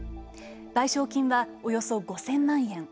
賠償金は、およそ５０００万円。